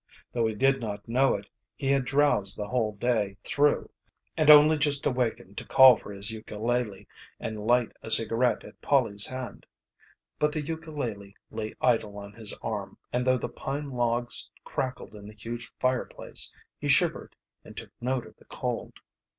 Though he did not know it, he had drowsed the whole day through and only just awakened to call for his ukulele and light a cigarette at Polly's hand. But the ukulele lay idle on his arm, and though the pine logs crackled in the huge fireplace he shivered and took note of the cold.